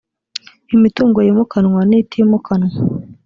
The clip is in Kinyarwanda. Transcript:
imitungo yimukanwa n itimukanwa